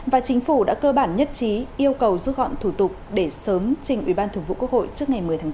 và chính phủ đã cơ bản nhất trí yêu cầu rút gọn thủ tục để sớm trình ủy ban thường vụ quốc hội trước ngày một mươi tháng bốn